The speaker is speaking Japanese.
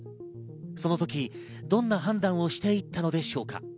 その時どんな判断をしていったのでしょうか。